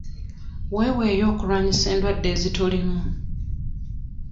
Weeweeyo okulwanyisa endwadde ezitulimu